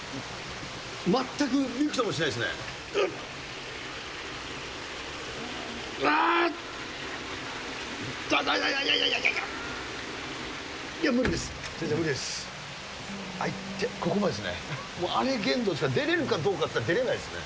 全く、びくともしないですね。